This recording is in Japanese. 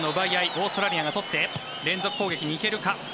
オーストラリアが取って連続攻撃に行けるか。